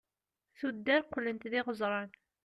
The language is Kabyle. tuddar qlent d iɣeẓran